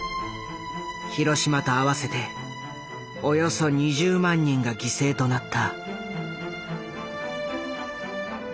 広島と合わせておよそ２０万人が犠牲となった。